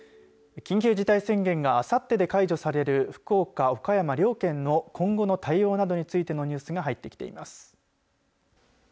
緊急事態宣言があさってで解除される福岡、岡山、両県の今後の対応などについてのニュースが入ってきています。